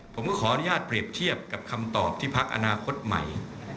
ผมก็ขออนุญาตเปรียบเทียบกับคำตอบที่พักอนาคตใหม่